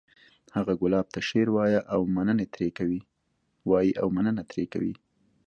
هغه ګلاب ته شعر وایی او مننه ترې کوي